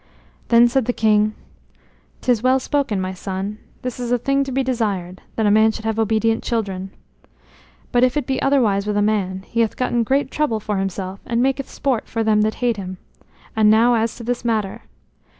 Then said the king: "'Tis well spoken, my son. This is a thing to be desired, that a man should have obedient children. But if it be otherwise with a man, he hath gotten great trouble for himself and maketh sport for them that hate him. And now as to this matter.